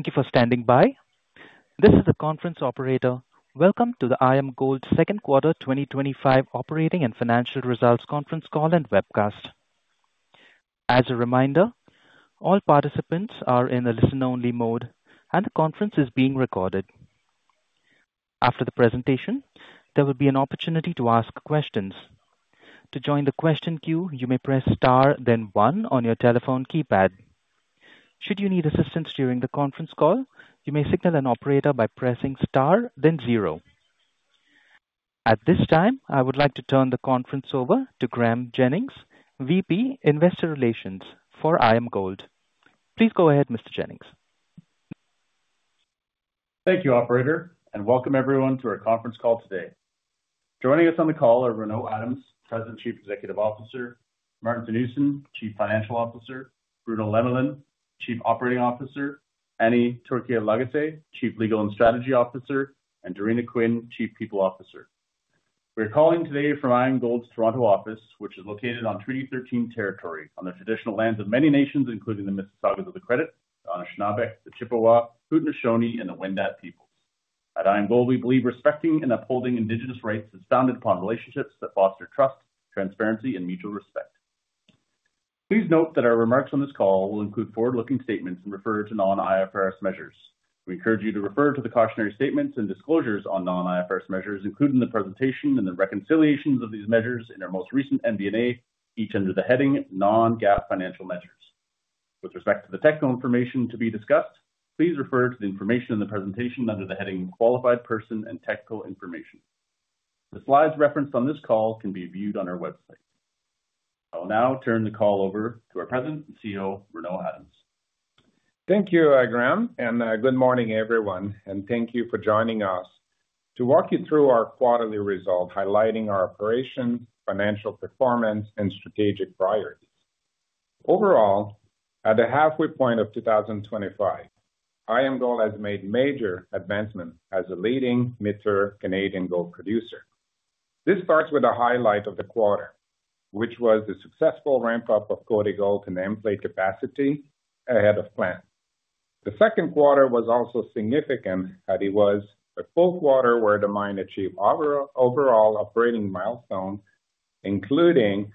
Thank you for standing by. This is the conference operator. Welcome to the IAMGOLD second quarter 2025 operating and financial results conference call and webcast. As a reminder, all participants are in a listen-only mode, and the conference is being recorded. After the presentation, there will be an opportunity to ask questions. To join the question queue, you may press star, then one on your telephone keypad. Should you need assistance during the conference call, you may signal an operator by pressing star, then zero. At this time, I would like to turn the conference over to Graeme Jennings, VP Investor Relations for IAMGOLD. Please go ahead, Mr. Jennings. Thank you, Operator, and welcome everyone to our conference call today. Joining us on the call are Renaud Adams, President, Chief Executive Officer, Maarten Theunissen, Chief Financial Officer, Bruno Lemelin, Chief Operating Officer, Annie Torkia Lagacé, Chief Legal and Strategy Officer, and Dorena Quinn, Chief People Officer. We're calling today from IAMGOLD's Toronto office, which is located on 313 territory on the traditional lands of many nations, including the Mississaugas of the Credit, Anishinaabe, Chippewa, Haudenosaunee and the Wendat Peoples. At IAMGOLD, we believe respecting and upholding Indigenous rights is founded upon relationships that foster trust, transparency, and mutual respect. Please note that our remarks on this call will include forward-looking statements and refer to non-IFRS measures. We encourage you to refer to the cautionary statements and disclosures on non-IFRS measures, including the presentation and the reconciliations of these measures in our most recent MD&A, each under the heading Non-GAAP Financial Measures. With respect to the technical information to be discussed, please refer to the information in the presentation under the heading Qualified Person and Technical Information. The slides referenced on this call can be viewed on our website. I will now turn the call over to our President and CEO, Renaud Adams. Thank you, Graeme, and good morning, everyone, and thank you for joining us to walk you through our quarterly results, highlighting our operations, financial performance, and strategic priorities. Overall, at the halfway point of 2025, IAMGOLD has made major advancements as a leading [mature] Canadian gold producer. This starts with a highlight of the quarter, which was the successful ramp-up of Côté Gold in the nameplate capacity ahead of plan. The second quarter was also significant as it was a full quarter where the mine achieved overall operating milestones, including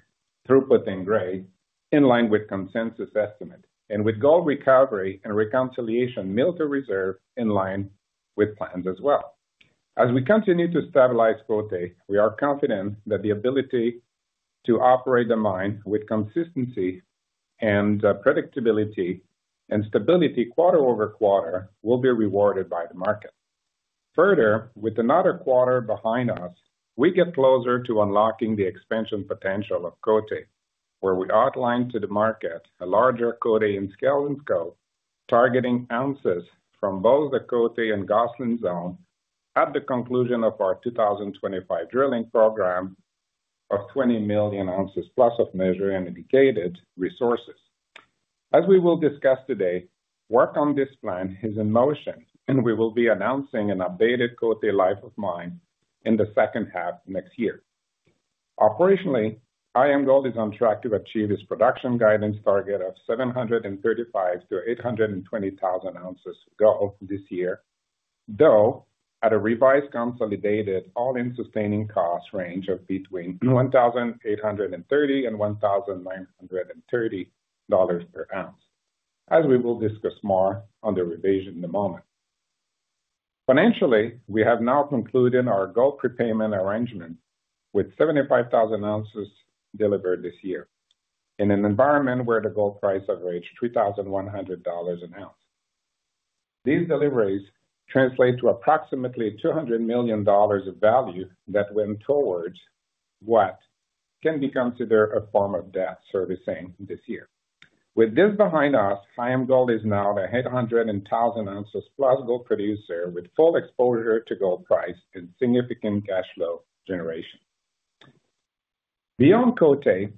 throughput in grade, in line with consensus estimates, and with gold recovery and reconciliation of mill reserves in line with plans as well. As we continue to stabilize Côté, we are confident that the ability to operate the mine with consistency and predictability and stability quarter over quarter will be rewarded by the market. Further, with another quarter behind us, we get closer to unlocking the expansion potential of Côté, where we outlined to the market a larger Côté in scale and scope, targeting ounces from both the Côté and Gosselin zone at the conclusion of our 2025 drilling program of 20 million ounces plus of measured and indicated resources. As we will discuss today, work on this plan is in motion, and we will be announcing an updated Côté life of mine in the second half next year. Operationally, IAMGOLD is on track to achieve its production guidance target of 735,000 ounces-820,000 ounces of gold this year, though at a revised consolidated all-in sustaining cost range of between $1,830-$1,930 per ounce, as we will discuss more on the revision in a moment. Financially, we have now concluded our gold prepayment arrangement with 75,000 ounces delivered this year in an environment where the gold price averaged $3,100 an ounce. These deliveries translate to approximately $200 million of value that went towards what can be considered a form of debt servicing this year. With this behind us, IAMGOLD is now the 800,000 and 1,000,000 ounces plus gold producer with full exposure to gold price and significant cash flow generation. Beyond Côté,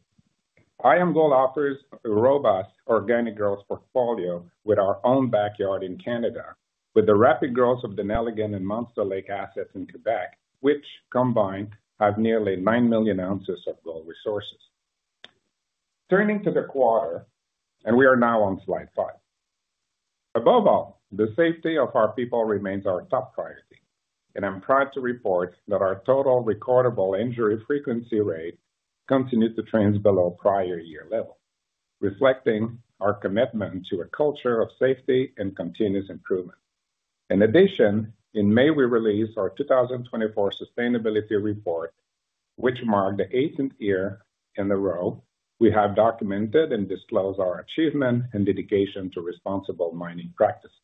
IAMGOLD offers a robust organic growth portfolio with our own backyard in Canada, with the rapid growth of the Nelligan and Monster Lake assets in Quebec, which combined have nearly 9 million ounces of gold resources. Turning to the quarter, and we are now on slide five. Above all, the safety of our people remains our top priority, and I'm proud to report that our total recordable injury frequency rate continues to trend below prior year levels, reflecting our commitment to a culture of safety and continuous improvement. In addition, in May, we released our 2024 sustainability report, which marked the eighth year in a row we have documented and disclosed our achievement and dedication to responsible mining practices.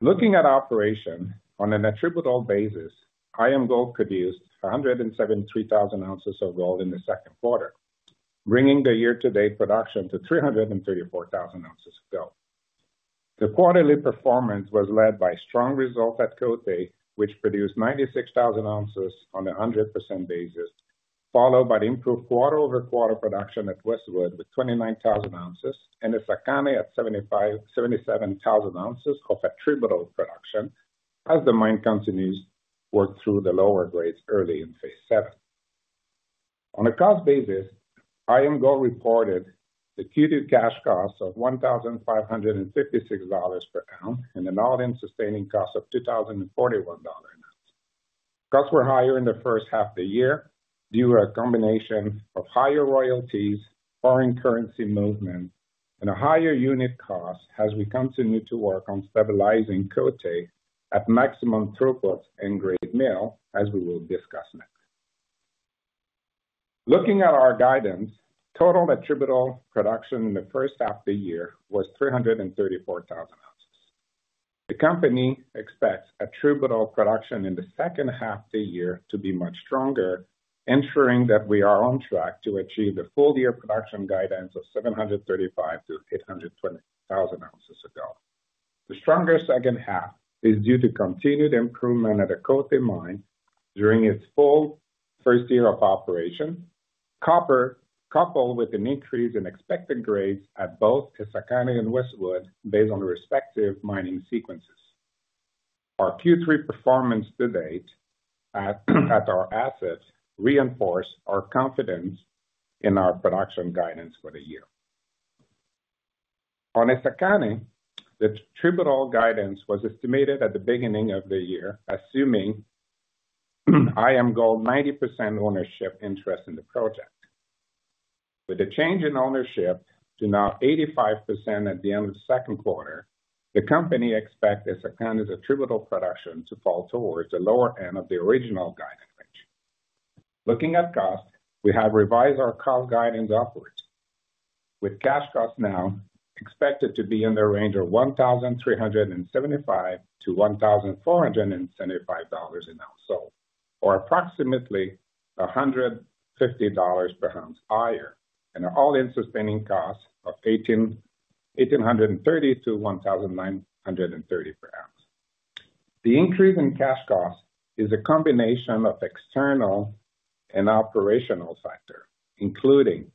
Looking at operation on an attributable basis, IAMGOLD produced 173,000 ounces of gold in the second quarter, bringing the year-to-date production to 334,000 ounces of gold. The quarterly performance was led by strong results at Côté Gold, which produced 96,000 ounces on a 100% basis, followed by improved quarter over quarter production at Westwood with 29,000 ounces, and at Essakane at 77,000 ounces of attributable production as the mine continues to work through the lower grades early in phase VII. On a cost basis, IAMGOLD reported the Q2 cash cost of $1,556 per ounce and an all-in sustaining cost of $2,041. Costs were higher in the first half of the year due to a combination of higher royalties, foreign currency movement, and a higher unit cost as we continue to work on stabilizing Côté at maximum throughputs and grade mill, as we will discuss next. Looking at our guidance, total attributable production in the first half of the year was 334,000 ounces. The company expects attributable production in the second half of the year to be much stronger, ensuring that we are on track to achieve the full-year production guidance of 735,000 to 820,000 ounces of gold. The stronger second half is due to continued improvement at the Côté gold mine during its full first year of operation, coupled with an increase in expected grades at both Essakane and Westwood based on respective mining sequences. Our Q3 performance to date at our assets reinforced our confidence in our production guidance for the year. On Essakane, the attributable guidance was estimated at the beginning of the year, assuming IAMGOLD's 90% ownership interest in the project. With the change in ownership to now 85% at the end of the second quarter, the company expects Essakane's attributable production to fall towards the lower end of the original guidance range. Looking at cost, we have revised our cost guidance upwards, with Cash costs now expected to be in the range of $1,375-$1,475 an ounce, so approximately $150 per ounce higher, and an all-in sustaining cost of $1,830-$1,930 per ounce. The increase in Cash costs is a combination of external and operational factors, including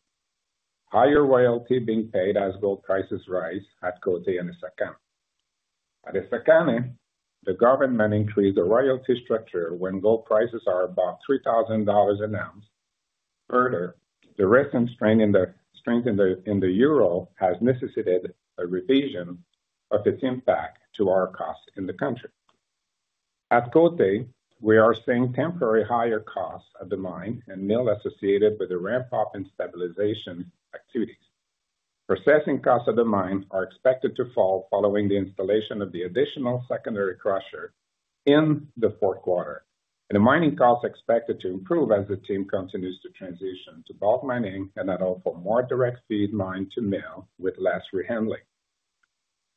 higher royalty being paid as gold prices rise at Côté and Essakane. At Essakane, the government increased the royalty structure when gold prices are above $3,000 an ounce. Further, the recent strength in the Euro has necessitated a revision of its impact to our costs in the country. At Côté, we are seeing temporary higher costs at the mine and mill associated with the ramp-up in stabilization activities. Processing costs at the mine are expected to fall following the installation of the additional secondary crusher in the fourth quarter, and the mining costs are expected to improve as the team continues to transition to bulk mining and allow for more direct feed mine to mill with less rehandling.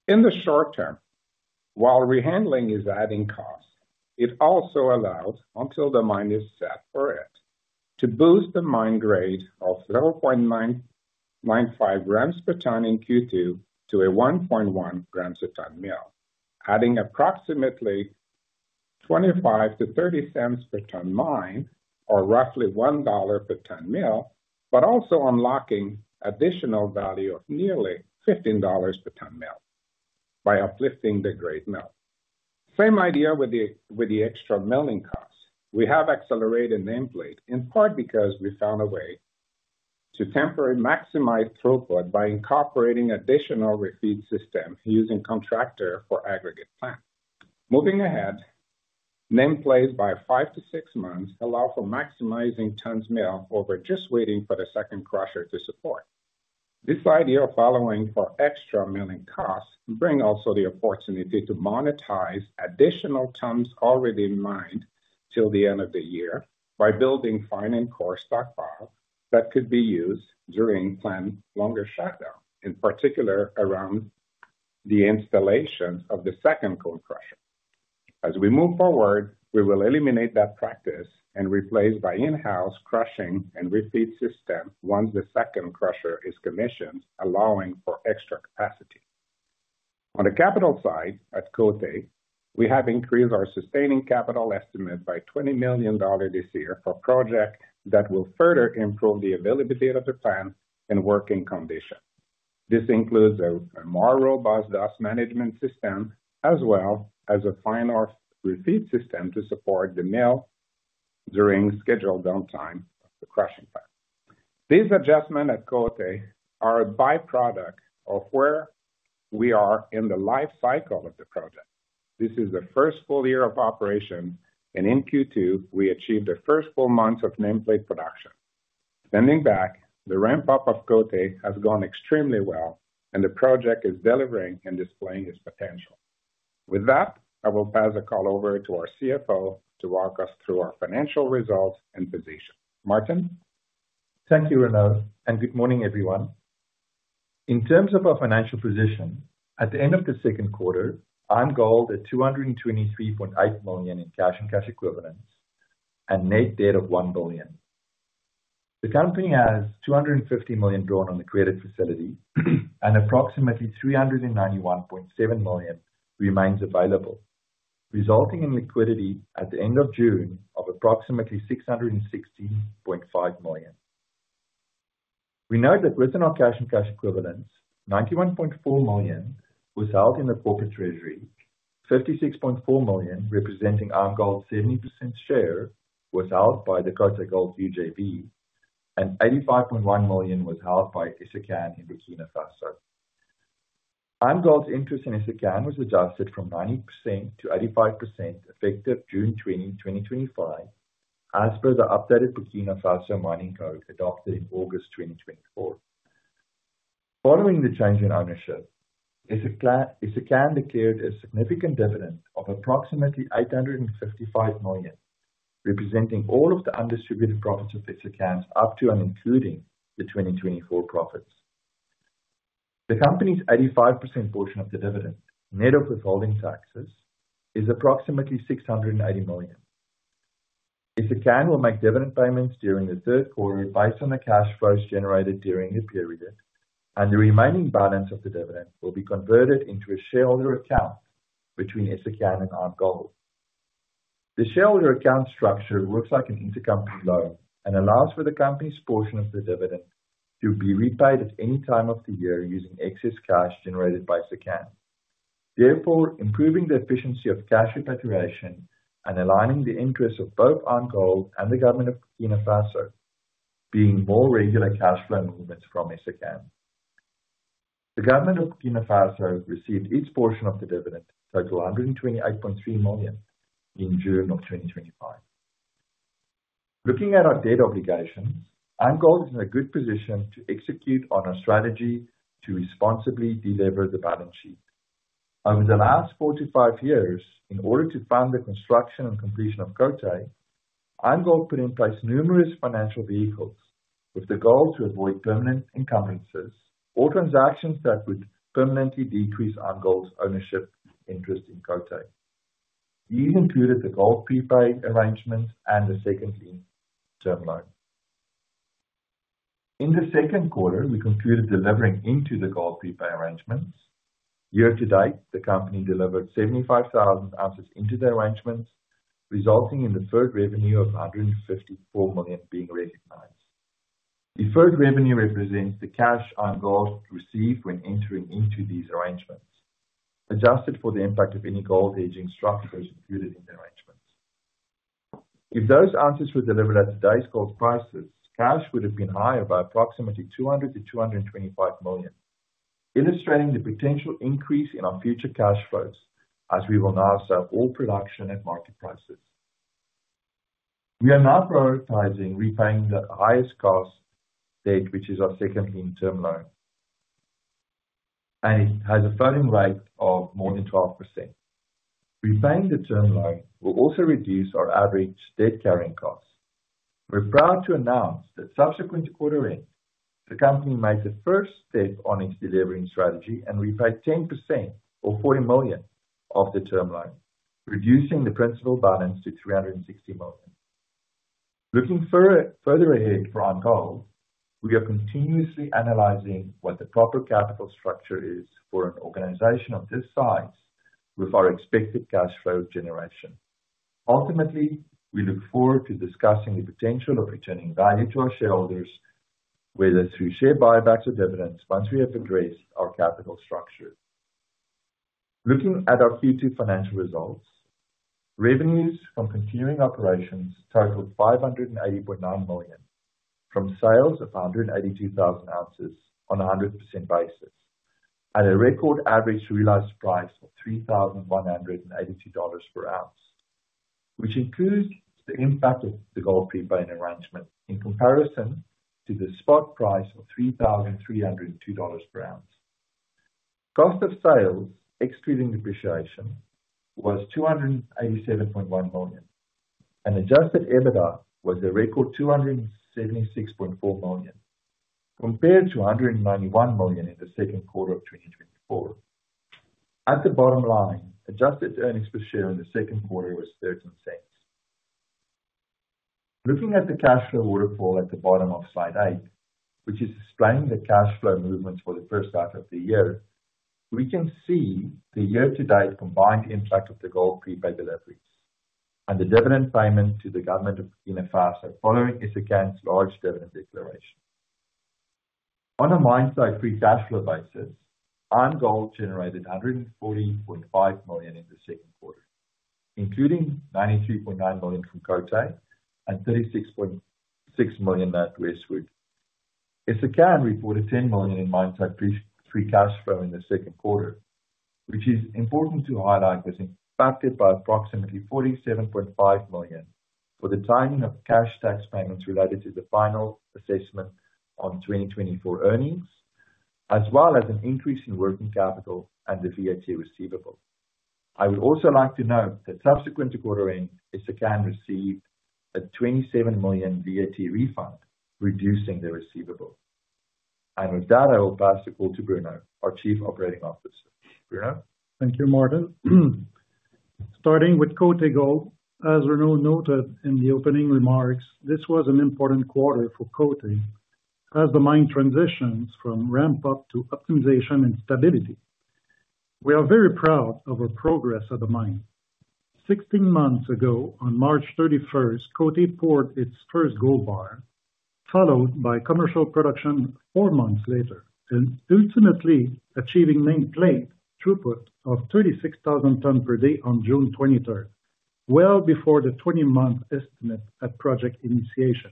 In the short term, while rehandling is adding costs, it also allows, until the mine is set for it, to boost the mine grade of 0.95 grams per ton in Q2 to a 1.1 grams per ton mill, adding approximately $0.25-$0.30 per ton mine, or roughly $1 per ton mill, but also unlocking additional value of nearly $15 per ton mill by uplifting the grade mill. Same idea with the extra milling costs. We have accelerated the nameplate in part because we found a way to temporarily maximize throughput by incorporating additional refeed systems using contractors for aggregate plants. Moving ahead, the nameplate by five to six months allow for maximizing ton mill over just waiting for the second crusher to support. This idea of allowing for extra milling costs brings also the opportunity to monetize additional tons already mined till the end of the year by building finite core stockpiles that could be used during planned longer shutdown, in particular around the installation of the second cone crusher. As we move forward, we will eliminate that practice and replace by in-house crushing and refeed system once the second crusher is commissioned, allowing for extra capacity. On the capital side at Côté, we have increased our sustaining capital estimate by $20 million this year for projects that will further improve the availability of the plant and working conditions. This includes a more robust dust management system, as well as a finite refeed system to support the mill during scheduled downtime of the crushing plant. These adjustments at Côté are a byproduct of where we are in the life cycle of the project. This is the first full year of operation, and in Q2, we achieved the first full months of nameplate production. Extending back, the ramp-up of Côté has gone extremely well, and the project is delivering and displaying its potential. With that, I will pass the call over to our CFO to walk us through our financial results and position. Maarten? Thank you, Renaud, and good morning, everyone. In terms of our financial position, at the end of the second quarter, IAMGOLD is at $223.8 million in cash and cash equivalents and net debt of $1 billion. The company has $250 million drawn on the credit facility and approximately $391.7 million remains available, resulting in liquidity at the end of June of approximately $660.5 million. We note that within our cash and cash equivalents, $91.4 million was held in the corporate treasury, $56.4 million representing IAMGOLD's 70% share was held by the Côté Gold UJB, and $85.1 million was held by Essakane in Burkina Faso. IAMGOLD's interest in Essakane was adjusted from 90% to 85% effective June 20, 2025, as per the updated Burkina Faso Mining Code adopted in August 2024. Following the change in ownership, Essakane declared a significant dividend of approximately $855 million, representing all of the undistributed profits of Essakane up to and including the 2024 profits. The company's 85% portion of the dividend, net of withholding taxes, is approximately $680 million. Essakane will make dividend payments during the third quarter based on the cash flows generated during the period, and the remaining balance of the dividend will be converted into a shareholder account between Essakane and IAMGOLD. The shareholder account structure works like an intercompany loan and allows for the company's portion of the dividend to be repaid at any time of the year using excess cash generated by Essakane, therefore improving the efficiency of cash repatriation and aligning the interests of both IAMGOLD and the Government of Burkina Faso, being more regular cash flow movements from Essakane. The Government of Burkina Faso received its portion of the dividend, $128.3 million, in June of 2025. Looking at our debt obligation, IAMGOLD is in a good position to execute on our strategy to responsibly deliver the balance sheet. Over the last four to five years, in order to fund the construction and completion of Côté, IAMGOLD put in place numerous financial vehicles with the goal to avoid permanent encumbrances or transactions that would permanently decrease IAMGOLD's ownership interest in Côté. These included the gold prepayment arrangements and the second lien term loan. In the second quarter, we concluded delivering into the gold prepayment arrangements. Year-to-date, the company delivered 75,000 ounces into the arrangements, resulting in the third revenue of $154 million being recognized. The third revenue represents the cash IAMGOLD received when entering into these arrangements, adjusted for the impact of any gold aging structures included in the arrangements. If those ounces were delivered at today's gold prices, cash would have been higher by approximately $200 million-$225 million, illustrating the potential increase in our future cash flows as we will now sell all production at market prices. We are now prioritizing repaying the highest cost debt, which is our second lien term loan, and it has a funding rate of more than 12%. Repaying the term loan will also reduce our average debt carrying costs. We're proud to announce that subsequent to quarter end, the company makes the first step on its deleveraging strategy and repays 10%, or $40 million, of the term loan, reducing the principal balance to $360 million. Looking further ahead for IAMGOLD, we are continuously analyzing what the proper capital structure is for an organization of this size with our expected cash flow generation. Ultimately, we look forward to discussing the potential of returning value to our shareholders, whether through share buybacks or dividends, once we have addressed our capital structure. Looking at our Q2 financial results, revenues from continuing operations totaled $580.9 million from sales of 182,000 ounces on a 100% basis and a record average realized price of $3,182 per ounce, which includes the impact of the gold prepayment arrangement in comparison to the spot price of $3,302 per ounce. Cost of sale, excluding depreciation, was $287.1 million, and adjusted EBITDA was a record $276.4 million compared to $191 million in the second quarter of 2024. At the bottom line, adjusted earnings per share in the second quarter was $0.13. Looking at the cash flow waterfall at the bottom of slide eight, which is explaining the cash flow movements for the first half of the year, we can see the year-to-date combined impact of the gold prepayment delivery and the dividend payment to the Government of Burkina Faso following Essakane's large dividend declaration. On a mine-site free cash flow basis, IAMGOLD generated $140.5 million in the second quarter, including $92.9 million from Côté and $36.6 million at Westwood. Essakane reported $10 million in mine-site free cash flow in the second quarter, which is important to highlight as impacted by approximately $47.5 million for the timing of cash tax payments related to the final assessment on 2024 earnings, as well as an increase in working capital and the VAT receivable. I would also like to note that subsequent to quarter end, Essakane received a $27 million VAT refund, reducing the receivable. With that, I will pass the call to Bruno, our Chief Operating Officer. Bruno. Thank you, Maarten. Starting with Côté Gold, as Renaud noted in the opening remarks, this was an important quarter for Côté as the mine transitions from ramp-up to optimization and stability. We are very proud of our progress at the mine. 16 months ago, on March 31st, Côté poured its first gold bar, followed by commercial production four months later, and ultimately achieving an nameplate throughput of 36,000 tonnes per day on June 23rd, well before the 20-month estimate at project initiation.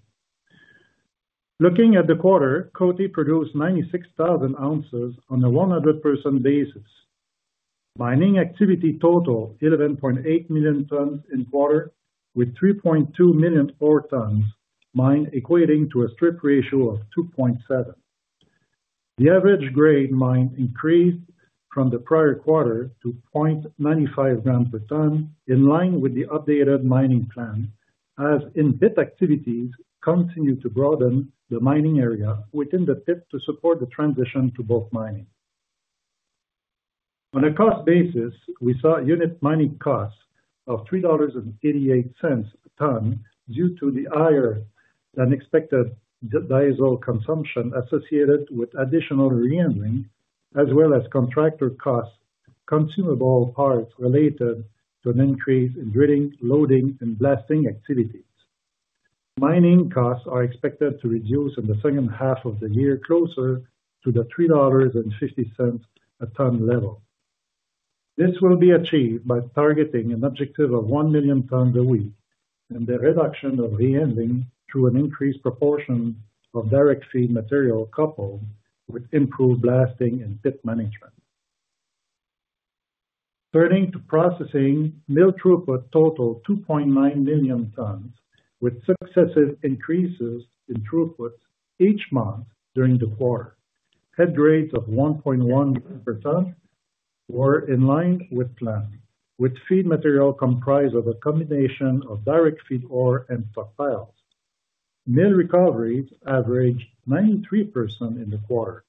Looking at the quarter, Côté produced 96,000 ounces on a 100% basis. Mining activity totaled 11.8 million tonnes in the quarter, with 3.2 million ore tonnes mined equating to a strip ratio of 2.7. The average grade mined increased from the prior quarter to 0.95 grams per tonne, in line with the updated mining plan, as in-pit activities continue to broaden the mining area within the pit to support the transition to bulk mining. On a cost basis, we saw unit mining costs of $3.88 per tonne due to the higher than expected diesel consumption associated with additional rehandling, as well as contractor costs, consumable parts related to an increase in drilling, loading, and blasting activities. Mining costs are expected to reduce in the second half of the year, closer to the $3.50 per tonne level. This will be achieved by targeting an objective of 1 million tonnes a week and the reduction of rehandling through an increased proportion of direct feed material, coupled with improved blasting and pit management. Turning to processing, Mill throughput totaled 2.9 million tonnes, with successive increases in throughput each month during the quarter. Head grades of 1.1 grams per tonne were in line with plan, with feed material comprised of a combination of direct feed ore and stockpiles. Mill recoveries averaged 93% in the quarter,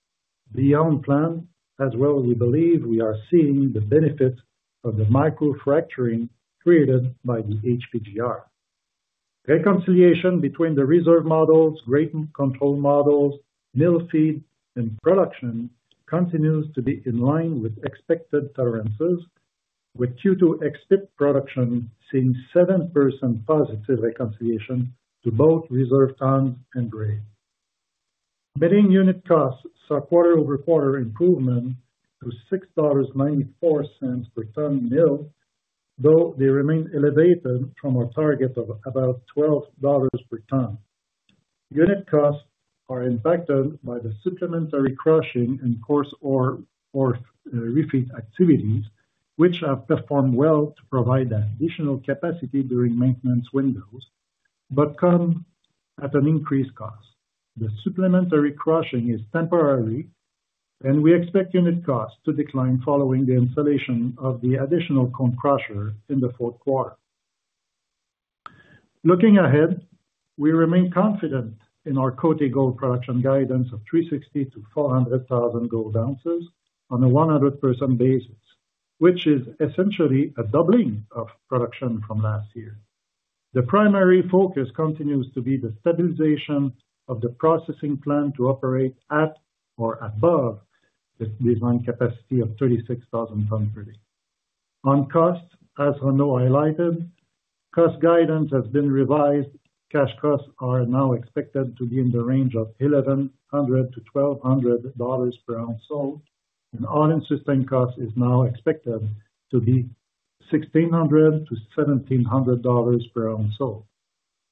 beyond plan, as we believe we are seeing the benefits of the microfracturing created by the HPGR. Reconciliation between the reserve models, grade and control models, mill feed, and production continues to be in line with expected tolerances, with Q2 ex-pit production seeing 7% positive reconciliation to both reserve tonnes and grades. Milling unit costs saw quarter-over-quarter improvement to $6.94 per tonne milled, though they remain elevated from our target of about $12 per tonne. Unit costs are impacted by the supplementary crushing and coarse ore refeed activities, which have performed well to provide additional capacity during maintenance windows, but come at an increased cost. The supplementary crushing is temporary, and we expect unit costs to decline following the installation of the additional cone crusher in the fourth quarter. Looking ahead, we remain confident in our Côté Gold production guidance of 360,000 gold ounces-400,000 gold ounces on a 100% basis, which is essentially a doubling of production from last year. The primary focus continues to be the stabilization of the processing plant to operate at or above the designed capacity of 36,000 tonnes per day. On costs, as Renaud highlighted, cost guidance has been revised. Cash costs are now expected to be in the range of $1,100-$1,200 per ounce, so an all-in sustaining cost is now expected to be $1,600-$1,700 per ounce.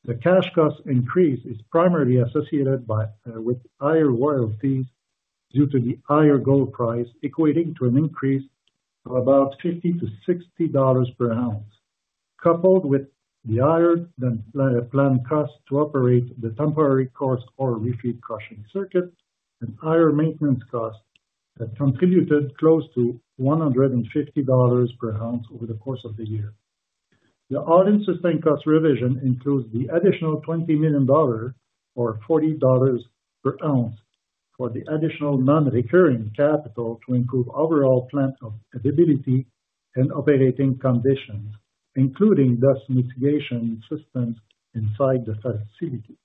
The cash cost increase is primarily associated with higher royalties due to the higher gold price equating to an increase of about $50-$60 per ounce, coupled with the higher than planned costs to operate the temporary coarse ore refeed crushing circuit and higher maintenance costs that contributed close to $150 per ounce over the course of the year. The all-in sustaining cost revision includes the additional $20 million, or $40 per ounce, for the additional non-recurring capital to improve overall plant habitability and operating conditions, including dust mitigation systems inside the facilities.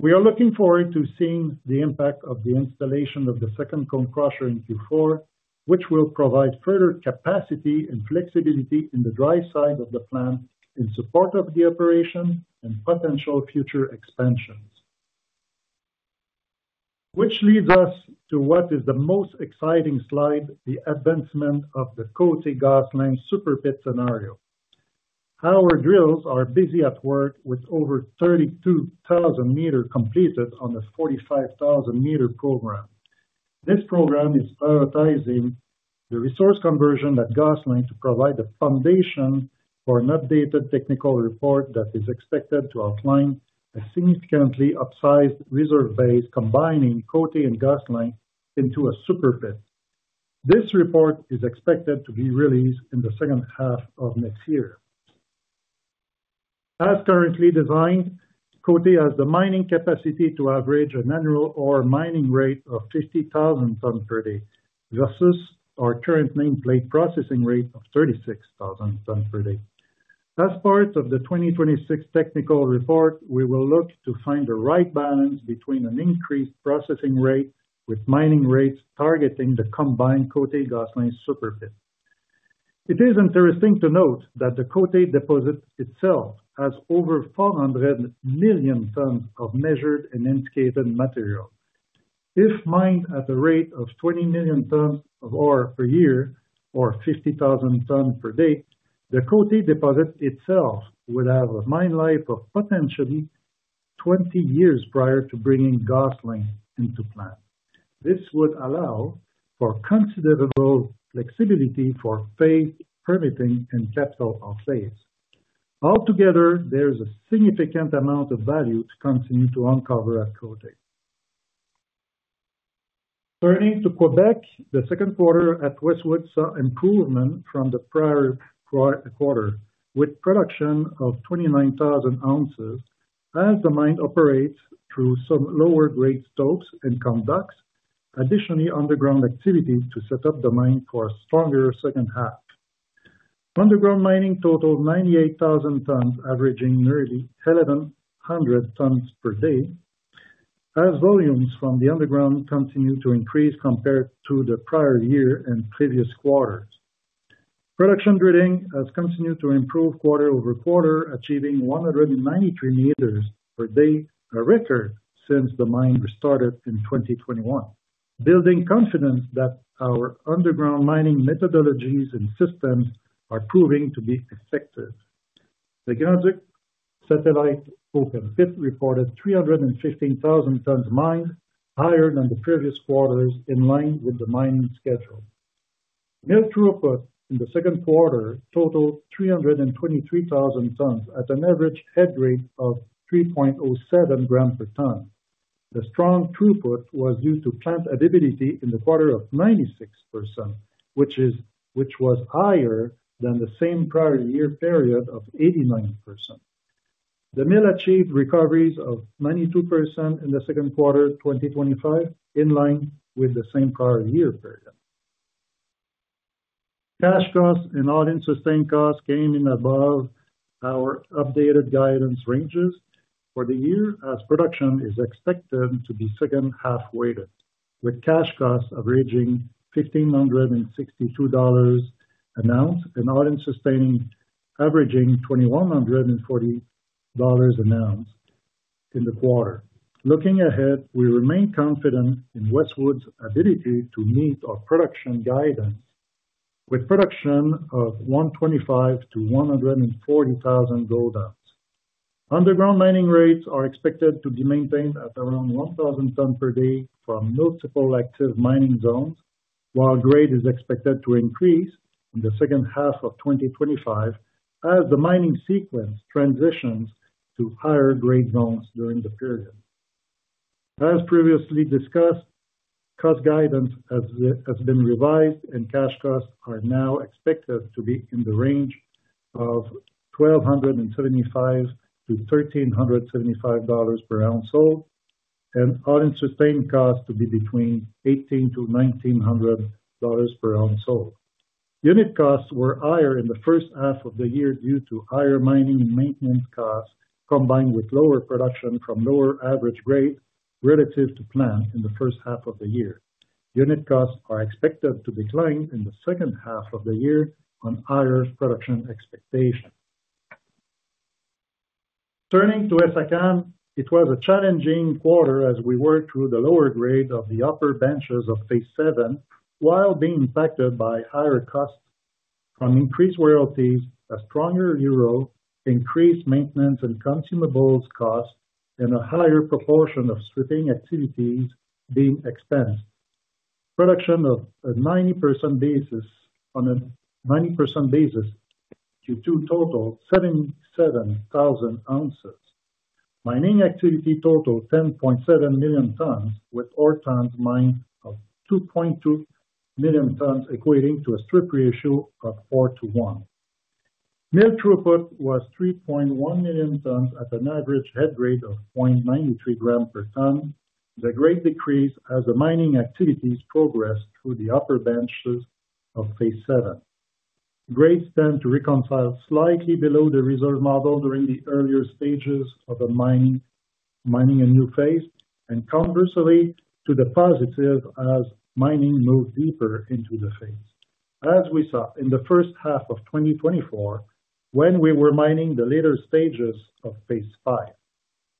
We are looking forward to seeing the impact of the installation of the second cone crusher in Q4, which will provide further capacity and flexibility in the dry side of the plant in support of the operation and potential future expansions. This leads us to what is the most exciting slide, the advancement of côté gosselin Super Pit scenario. Our drills are busy at work with over 32,000 meters completed on this 45,000-meter program. This program is prioritizing the resource conversion at Gosselin to provide the foundation for an updated technical report that is expected to outline a significantly upsized reserve base, combining Côté and Gosselin into a Super Pit. This report is expected to be released in the second half of next year. As currently designed, Côté has the mining capacity to average an annual ore mining rate of 50,000 tonnes per day versus our current nameplate processing rate of 36,000 tonnes per day. As part of the 2026 technical report, we will look to find the right balance between an increased processing rate with mining rates targeting the combined Côté Gosselin Super Pit. It is interesting to note that the Côté deposit itself has over 400 million tonnes of measured and indicated material. If mined at a rate of 20 million tonnes of ore per year, or 50,000 tonnes per day, the Côté deposit itself would have a mine life of potentially 20 years prior to bringing Gosselin into plan. This would allow for considerable flexibility for phase permitting and capital offsites. Altogether, there's a significant amount of value to continue to uncover at Côté. Turning to Quebec, the second quarter at Westwood saw improvement from the prior quarter, with production of 29,000 ounces, as the mine operates through some lower grade stopes and conducts additional underground activities to set up the mine for a stronger second half. Underground mining totaled 98,000 tonnes, averaging nearly 1,100 tonnes per day, as volumes from the underground continue to increase compared to the prior year and previous quarters. Production drilling has continued to improve quarter over quarter, achieving 193 meters per day, a record since the mine restarted in 2021, building confidence that our underground mining methodologies and systems are proving to be effective. The [Geologic Satellite] Open Pit reported 315,000 tonnes mined, higher than the previous quarters, in line with the mining schedule. Mill throughput in the second quarter totaled 323,000 tonnes, at an average head grade of 3.07 grams per tonne. The strong throughput was due to plant availability in the quarter of 96%, which was higher than the same prior year period of 89%. The mill achieved recoveries of 92% in the second quarter of 2025, in line with the same prior year period. Cash costs and All-in sustaining costs came in above our updated guidance ranges for the year, as production is expected to be second half weighted, with Cash costs averaging $1,562 an ounce and All-in sustaining costs averaging $2,140 an ounce in the quarter. Looking ahead, we remain confident in Westwood's ability to meet our production guidance, with production of 125,000 gold ounces-140,000 gold ounces. Underground mining rates are expected to be maintained at around 1,000 tonnes per day from multiple active mining zones, while grade is expected to increase in the second half of 2025, as the mining sequence transitions to higher grade zones during the period. As previously discussed, cost guidance has been revised, and Cash costs are now expected to be in the range of $1,275-$1,375 per ounce, with All-in sustaining costs to be between $1,800-$1,900 per ounce. Unit costs were higher in the first half of the year due to higher mining and maintenance costs, combined with lower production from lower average grades relative to plan in the first half of the year. Unit costs are expected to decline in the second half of the year on higher production expectations. Turning to Essakane, it was a challenging quarter as we worked through the lower grades of the upper benches of phase VII, while being impacted by higher costs on increased royalties, a stronger euro, increased maintenance and consumables costs, and a higher proportion of sweeping activities being expensed. Production on a 90% basis in Q2 totaled 77,000 ounces. Mining activity totaled 10.7 million tonnes, with ore tonnes mined of 2.2 million tonnes, equating to a strip ratio of 4:1. Mill throughput was 3.1 million tonnes at an average head grade of 0.93 grams per tonne, the grade decrease as the mining activities progressed through the upper benches of phase VII. Grades tend to reconcile slightly below the reserve model during the earlier stages of mining a new phase, and conversely to the positive as mining moved deeper into the phase. As we saw in the first half of 2024, when we were mining the later stages of phase V,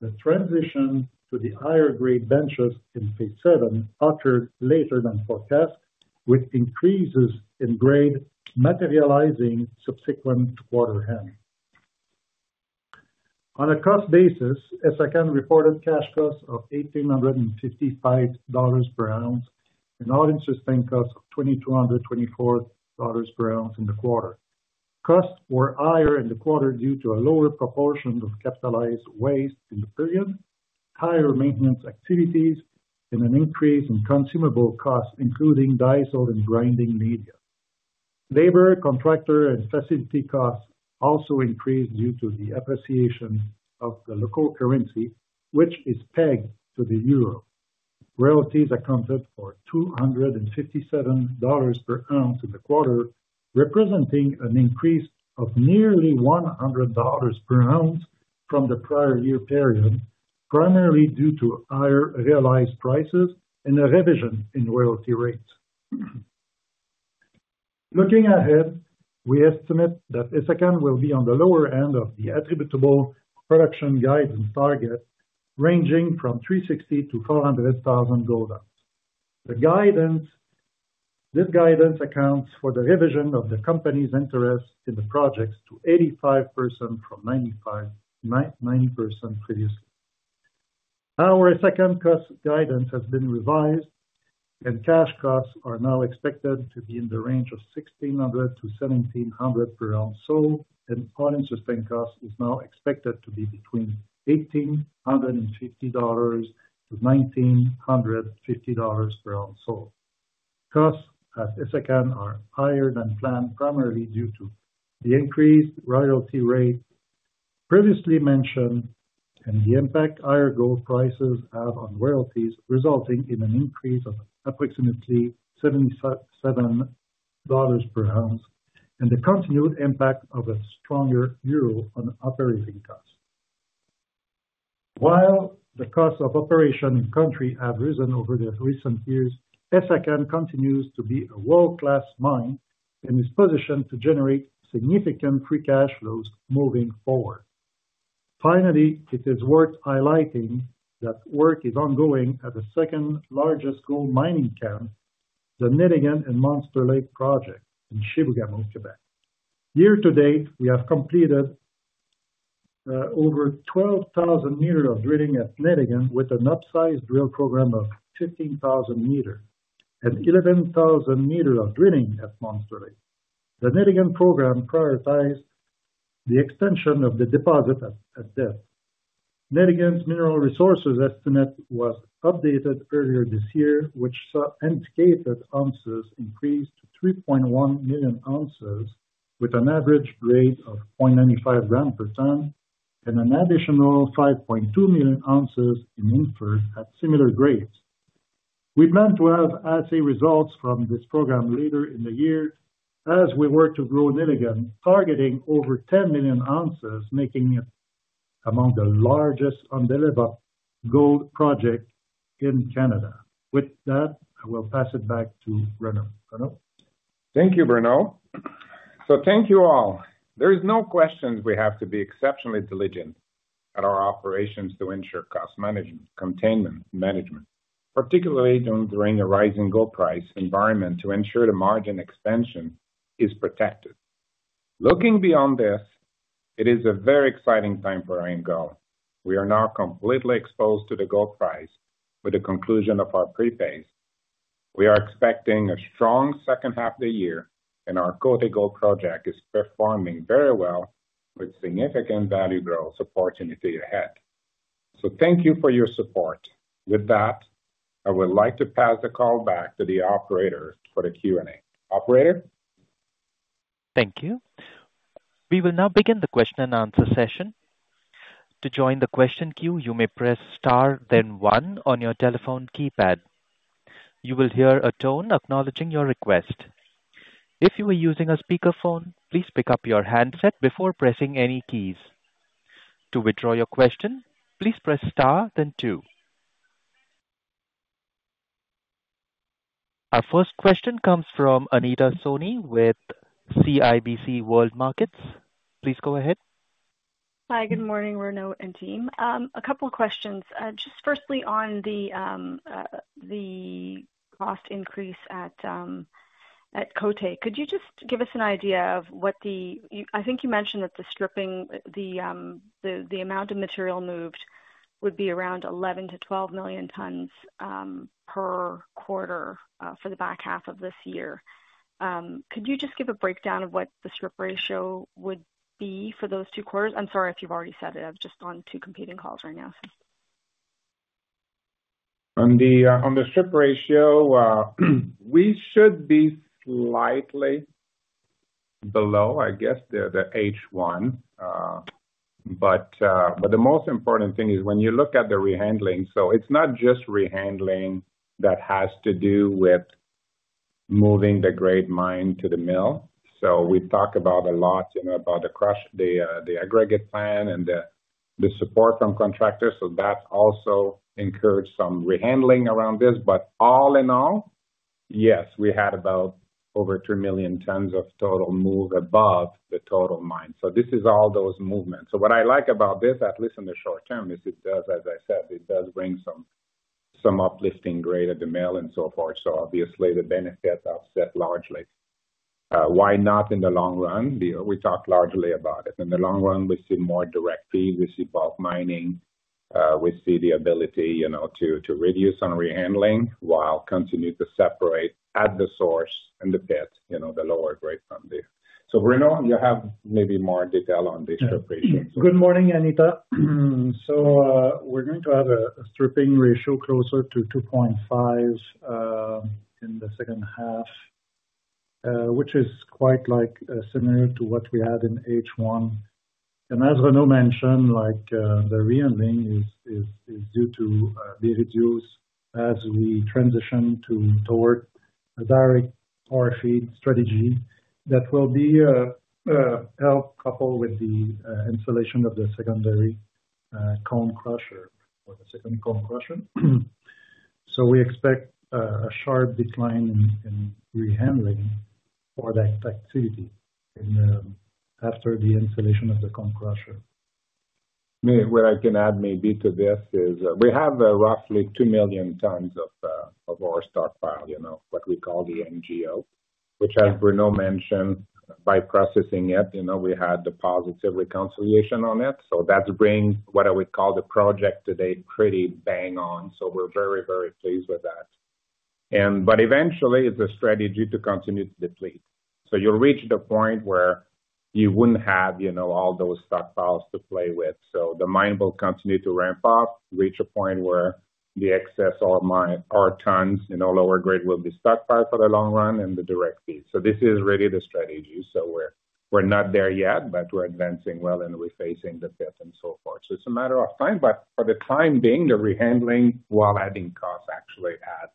the transition to the higher grade benches in phase VII occurred later than forecast, with increases in grade materializing subsequent to quarter end. On a cost basis, Essakane reported Cash costs of $1,855 per ounce and All-in sustaining costs of $2,224 per ounce in the quarter. Costs were higher in the quarter due to a lower proportion of capitalized waste in the period, higher maintenance activities, and an increase in consumable costs, including diesel and grinding media. Labor, contractor, and facility costs also increased due to the appreciation of the local currency, which is pegged to the Euro. Royalties accounted for $257 per ounce in the quarter, representing an increase of nearly $100 per ounce from the prior year period, primarily due to higher realized prices and a revision in royalty rates. Looking ahead, we estimate that Essakane will be on the lower end of the attributable production guidance target, ranging from 360,000 gold ounces-400,000 gold ounces. The guidance accounts for the revision of the company's interest in the projects to 85% from 95% to 90% previously. Our Essakane cost guidance has been revised, and Cash costs are now expected to be in the range of $1,600-$1,700 per ounce, so an all-in sustaining cost is now expected to be between $1,850-$1,950 per ounce. Costs at Essakane are higher than planned, primarily due to the increased royalty rate previously mentioned and the impact higher gold prices have on royalties, resulting in an increase of approximately $77 per ounce and the continued impact of a stronger euro on operating costs. While the costs of operation in the country have risen over the recent years, Essakane continues to be a world-class mine and is positioned to generate significant free cash flows moving forward. Finally, it is worth highlighting that work is ongoing at the second largest gold mining camp, the Nelligan and Monster Lake project in Chibougamau, Quebec. Year-to-date, we have completed over 12,000 meters of drilling at Nelligan, with an upsized drill program of 15,000 meters and 11,000 meters of drilling at Monster Lake. The Nelligan program prioritized the extension of the deposit at this. Nelligan's mineral resources estimate was updated earlier this year, which saw indicated ounces increased to 3.1 million ounces, with an average grade of 0.95 grams per ton and an additional 5.2 million ounces in inferred at similar grades. We plan to have assay results from this program later in the year as we work to grow Nelligan, targeting over 10 million ounces, making it among the largest on the level gold project in Canada. With that, I will pass it back to Renaud. Renaud? Thank you, Bruno. Thank you all. There are no questions. We have to be exceptionally diligent at our operations to ensure cost management, containment, and management, particularly during a rising gold price environment, to ensure the margin expansion is protected. Looking beyond this, it is a very exciting time for IAMGOLD. We are now completely exposed to the gold price with the conclusion of our prepaids. We are expecting a strong second half of the year, and our Côté Gold project is performing very well, with significant value growth opportunity ahead. Thank you for your support. With that, I would like to pass the call back to the operator for the Q&A. Operator? Thank you. We will now begin the question and answer session. To join the question queue, you may press star, then one on your telephone keypad. You will hear a tone acknowledging your request. If you are using a speakerphone, please pick up your handset before pressing any keys. To withdraw your question, please press star, then two. Our first question comes from Anita Soni with CIBC World Markets. Please go ahead. Hi, good morning, Renaud and team. A couple of questions. Firstly, on the cost increase at Côté, could you give us an idea of what the, I think you mentioned that the stripping, the amount of material moved would be around 11 million tonnes-12 million tons per quarter for the back half of this year. Could you give a breakdown of what the strip ratio would be for those two quarters? I'm sorry if you've already said it. I've just gone to competing calls right now. On the strip ratio, we should be slightly below, I guess, the H1. The most important thing is when you look at the rehandling, it's not just rehandling that has to do with moving the grade mine to the mill. We talk a lot about the aggregate plant and the support from contractors. That's also encouraged some rehandling around this. All in all, yes, we had about over 2 million tons of total move above the total mine. This is all those movements. What I like about this, at least in the short term, is it does, as I said, bring some uplifting grade at the mill and so forth. Obviously, the benefits are set largely. In the long run, we talked largely about it. In the long run, we see more direct feed. We see bulk mining. We see the ability to reduce on rehandling while continuing to separate at the source and the pit, the lower grade from there. Bruno, you have maybe more detail on the strip ratio. Good morning, Anita. We're going to have a stripping ratio closer to 2.5 in the second half, which is quite similar to what we had in H1. As Renaud mentioned, the rehandling is due to be reduced as we transition toward a direct ore feed strategy that will be helped, coupled with the installation of the secondary cone crusher or the second cone crusher. We expect a sharp decline in rehandling for that activity after the installation of the cone crusher. What I can add maybe to this is we have roughly 2 million tons of ore stockpiled, you know, what we call the NGO, which, as Bruno mentioned, by processing it, you know, we had the positive reconciliation on it. That's bringing what we call the project today pretty bang on. We're very, very pleased with that. Eventually, it's a strategy to continue to deplete, so you'll reach the point where you wouldn't have, you know, all those stockpiles to play with. The mine will continue to ramp up, reach a point where the excess ore tonnes in all lower grade will be stockpiled for the long run in the direct feed. This is really the strategy. We're not there yet, but we're advancing well and we're facing the fifth and so forth. It's a matter of time. For the time being, the rehandling while adding costs actually adds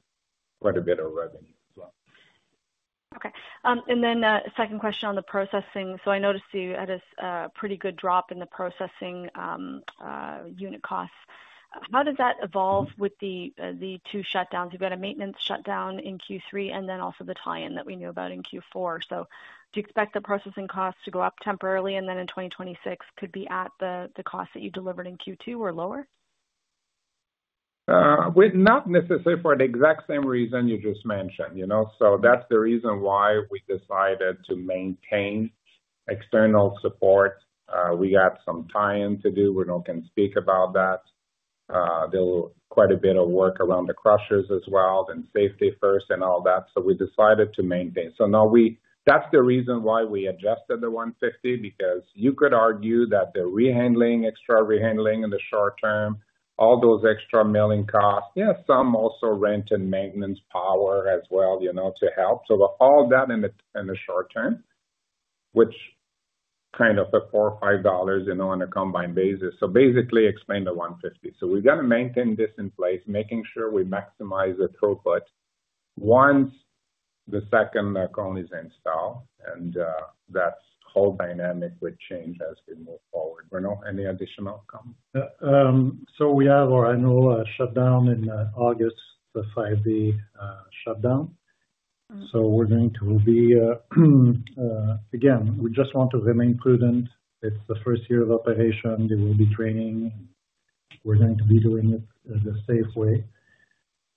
quite a bit of revenue as well. Okay. A second question on the processing. I noticed you had a pretty good drop in the processing unit costs. How does that evolve with the two shutdowns? We've got a maintenance shutdown in Q3 and also the tie-in that we knew about in Q4. Do you expect the processing costs to go up temporarily, and then in 2026 could they be at the costs that you delivered in Q2 or lower? Not necessarily for the exact same reason you just mentioned, you know. That's the reason why we decided to maintain external support. We got some tie-in to do. Bruno can speak about that. There was quite a bit of work around the crushers as well and safety first and all that. We decided to maintain. That's the reason why we adjusted the $150, because you could argue that the rehandling, extra rehandling in the short term, all those extra milling costs, yes, some also rent and maintenance power as well, you know, to help. All that in the short term, which is kind of a $4 or $5, you know, on a combined basis. Basically explain the $150. We're going to maintain this in place, making sure we maximize the throughput once the second cone is installed, and that whole dynamic would change as we move forward. Bruno, any additional comments? We have our annual shutdown in August, the five day shutdown. We want to remain prudent. It's the first year of operation. There will be training. We're going to be doing it the safe way.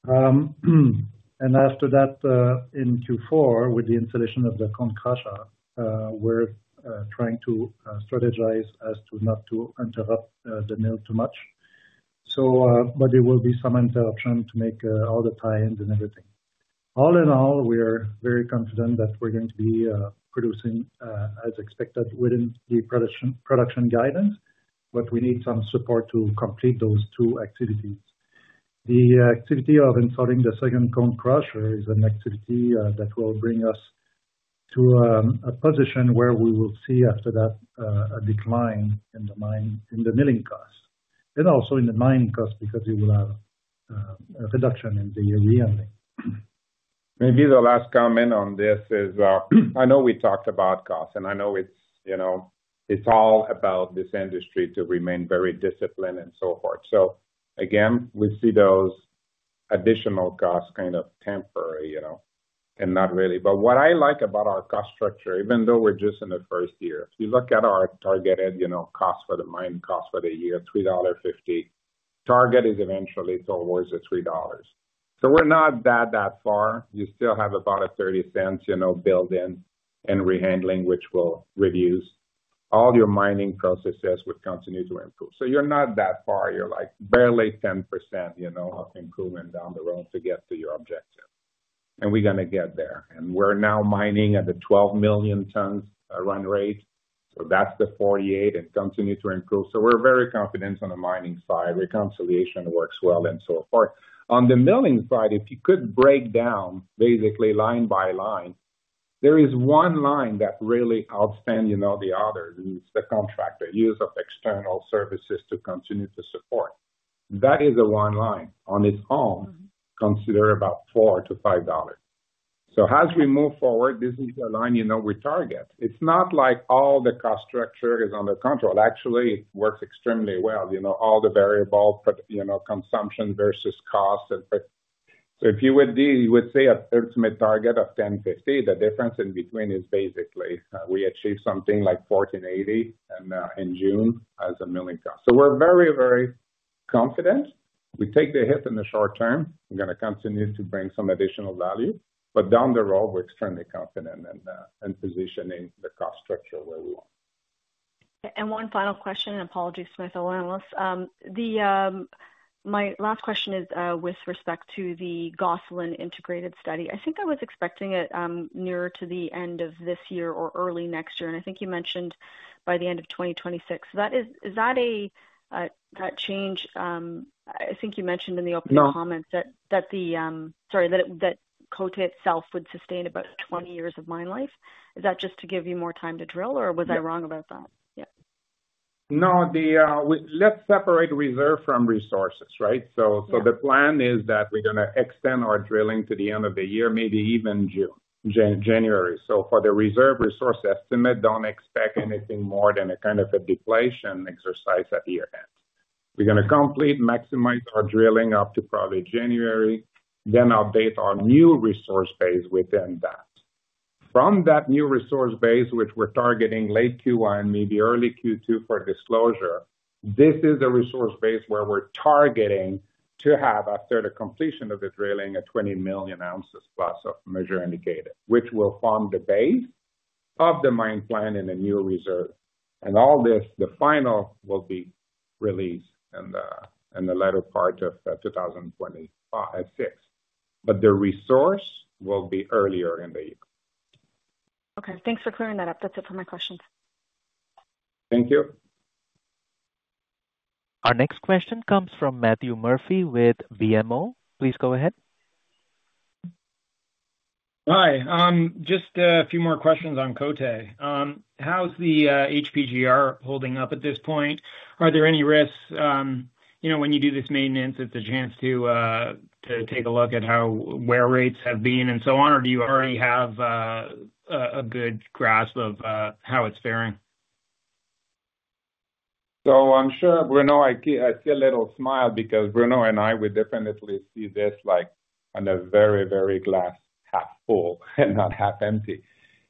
After that, in Q4, with the installation of the cone crusher, we're trying to strategize as to not to interrupt the mill too much. There will be some interruption to make all the tie-ins and everything. All in all, we are very confident that we're going to be producing as expected within the production guidance, but we need some support to complete those two activities. The activity of installing the second cone crusher is an activity that will bring us to a position where we will see after that a decline in the milling cost and also in the mining cost because you will have a reduction in the rehandling. Maybe the last comment on this is I know we talked about cost and I know it's, you know, it's all about this industry to remain very disciplined and so forth. We see those additional costs kind of temporary, you know, and not really. What I like about our cost structure, even though we're just in the first year, if you look at our targeted, you know, cost for the mine, cost for the year, $3.50, target is eventually it's always a $3. We're not that far. You still have about a $0.30, you know, build-in and rehandling, which will reduce all your mining processes would continue to improve. You're not that far. You're like barely 10%, you know, of improvement down the road to get to your objective. We're going to get there. We're now mining at the 12 million tons run rate. That's the 48 and continue to improve. We're very confident on the mining side. Reconciliation works well and so forth. On the milling side, if you could break down basically line by line, there is one line that really outspans, you know, the others, and it's the contractor use of external services to continue to support. That is one line. On its own, consider about $4-$5. As we move forward, this is the line, you know, we target. It's not like all the cost structure is under control. Actually, it works extremely well. You know, all the variable, you know, consumption versus cost and price. If you would, you would say an ultimate target of $1050, the difference in between is basically we achieve something like $1480 in June as a milling cost. We're very, very confident. We take the hit in the short term. We're going to continue to bring some additional value. Down the road, we're extremely confident in positioning the cost structure where we want. One final question, and apologies, I'll run this. My last question is with respect to the Gosselin integrated study. I think I was expecting it nearer to the end of this year or early next year, and I think you mentioned by the end of 2026. Is that a change? I think you mentioned in the opening comments that Côté itself would sustain about 20 years of mine life. Is that just to give you more time to drill, or was I wrong about that? Yeah. No, let's separate reserve from resources, right? The plan is that we're going to extend our drilling to the end of the year, maybe even June, January. For the reserve resource estimate, don't expect anything more than a kind of a deflation exercise at year end. We're going to complete, maximize our drilling up to probably January, then update our new resource base within that. From that new resource base, which we're targeting late Q1 and maybe early Q2 for disclosure, this is a resource base where we're targeting to have after the completion of the drilling a 20 million ounces plus of measured indicated, which will form the base of the mine plan in a new reserve. All this, the final will be released in the later part of 2025, 2026. The resource will be earlier in the year. Okay. Thanks for clearing that up. That's it for my questions. Thank you. Our next question comes from Matthew Murphy with BMO. Please go ahead. Hi. Just a few more questions on Côté Gold. How's the HPGR holding up at this point? Are there any risks? When you do this maintenance, is it a chance to take a look at how wear rates have been and so on, or do you already have a good grasp of how it's faring? I'm sure, Bruno, I see a little smile because Bruno and I, we definitely see this like on a very, very glass half full and not half empty.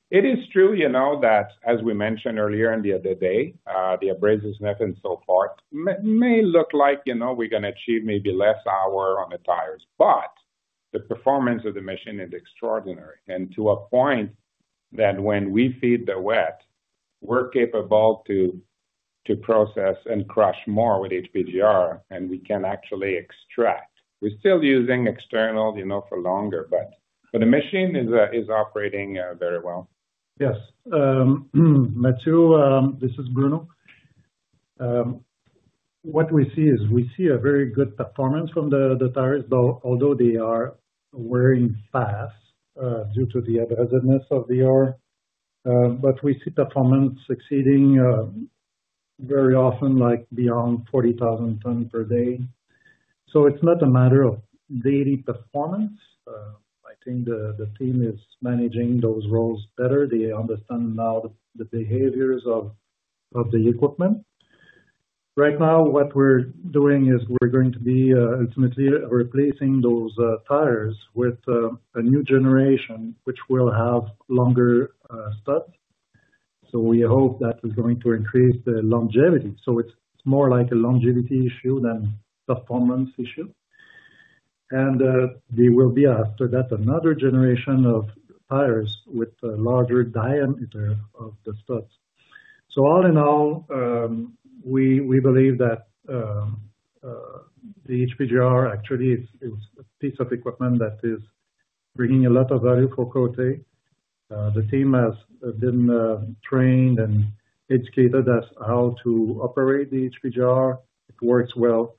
It is true, you know, that as we mentioned earlier in the other day, the abrasiveness and so forth may look like, you know, we're going to achieve maybe less hour on the tires, but the performance of the machine is extraordinary. To a point that when we feed the wet, we're capable to process and crush more with HPGR, and we can actually extract. We're still using external, you know, for longer, but the machine is operating very well. Yes. Matthew, this is Bruno. What we see is we see a very good performance from the tires, although they are wearing fast due to the abrasiveness of the ore. We see performance exceeding very often, like beyond 40,000 tons per day. It is not a matter of daily performance. I think the team is managing those roles better. They understand now the behaviors of the equipment. Right now, what we're doing is we're going to be ultimately replacing those tires with a new generation, which will have longer studs. We hope that is going to increase the longevity. It is more like a longevity issue than a performance issue. There will be, after that, another generation of tires with a larger diameter of the studs. All in all, we believe that the HPGR actually is a piece of equipment that is bringing a lot of value for Côté. The team has been trained and educated as how to operate the HPGR. It works well.